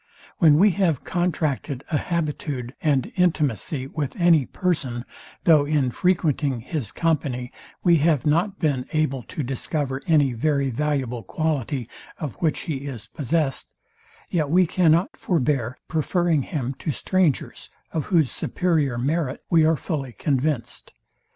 When we have contracted a habitude and intimacy with any person; though in frequenting his company we have not been able to discover any very valuable quality, of which he is possessed; yet we cannot forebear preferring him to strangers, of whose superior merit we are fully convinced.